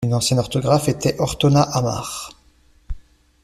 Une ancienne orthographe était Ortona a mare.